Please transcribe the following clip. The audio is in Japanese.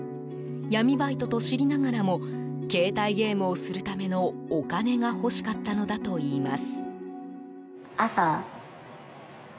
闇バイトと知りながらも携帯ゲームをするためのお金が欲しかったのだといいます。